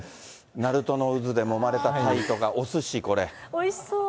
鳴門の渦でもまれたタイとかおすし、おいしそう。